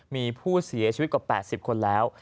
มีผู้เสียชีวิตกว่า๘๐คนแล้ว